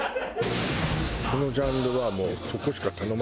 そのジャンルはもうそこしか頼まなくなった。